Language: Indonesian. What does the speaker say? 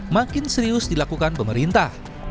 makin serius dilakukan pemerintah